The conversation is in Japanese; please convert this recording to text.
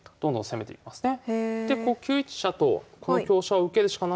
攻めていきますね。